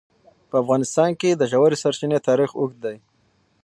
په افغانستان کې د ژورې سرچینې تاریخ اوږد دی.